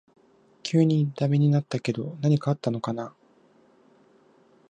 急にダメになったけど何かあったのかな